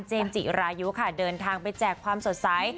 จิรายุค่ะเดินทางไปแจกความสดใส